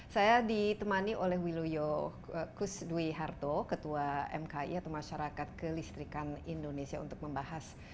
saya ditemani oleh wiluyo kusduiharto ketua mki atau masyarakat kelistrikan indonesia untuk membahas